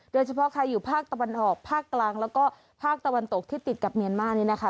โดยเฉพาะใครอยู่ภาคตะวันออกภาคกลางแล้วก็ภาคตะวันตกที่ติดกับเมียนมานี่นะคะ